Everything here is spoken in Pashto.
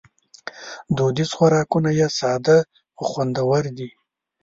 دودیز خوراکونه یې ساده خو خوندور دي.